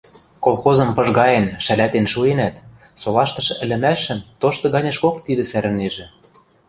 Колхозым пыжгаен, шӓлӓтен шуэнӓт, солаштышы ӹлӹмӓшӹм тошты ганьышкок тидӹ сӓрӹнежӹ.